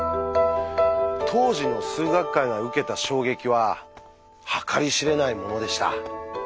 当時の数学界が受けた衝撃は計り知れないものでした。